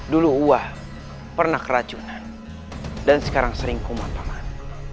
dulu wak pernah keracunan dan sekarang sering kumatangan